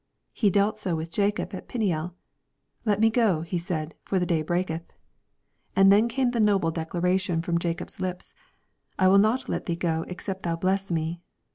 He dealt so with Jacob at Peniel. " Let me go,'' He said, ^* for the day breaketh." And then came the noble declaration from Jacob's lips, " I wUl not let thee go except thou bless me."